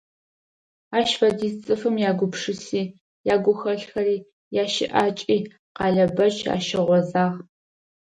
Ащ фэдиз цӀыфым ягупшыси, ягухэлъхэри, ящыӀакӀи Къалэбэч ащыгъозагъ.